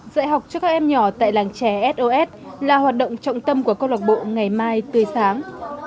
dạy học cho các em nhỏ tại làng trẻ sos là hoạt động trọng tâm của câu lạc bộ ngày mai tươi sáng